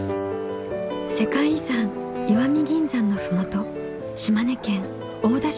世界遺産石見銀山の麓島根県大田市大森町。